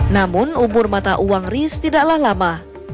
namun umur mata uang riz tidaklah lama